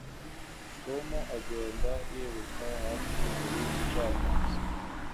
Tom agenda yiruka hafi buri gicamunsi